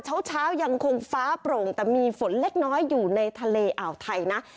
เช้ายังคงฟ้าโปร่งแต่มีฝนเล็กน้อยอยู่ในทะเลอ่าวไทยนะ